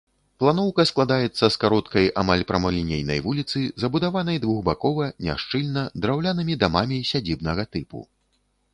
Планоўка складаецца з кароткай, амаль прамалінейнай вуліцы, забудаванай двухбакова, няшчыльна, драўлянымі дамамі сядзібнага тыпу.